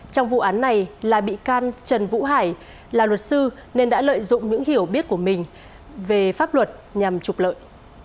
trong vụ án này là bị can trần vũ hải là luật sư nên đã lợi dụng những hiểu biết của mình về pháp luật nhằm trục lợi